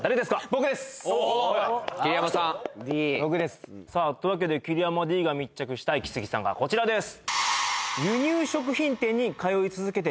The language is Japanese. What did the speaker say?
僕ですさあというわけで桐山Ｄが密着したイキスギさんがこちらです